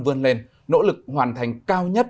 vươn lên nỗ lực hoàn thành cao nhất